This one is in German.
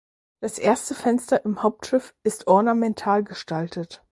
Das erste Fenster im Hauptschiff ist ornamental gestaltet.